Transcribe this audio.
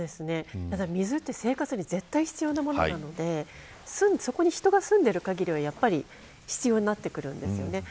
水は生活に絶対必要なものなのでそこに人が住んでいる限りはやはり必要になるんですよね。